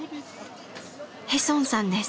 ヘソンさんです。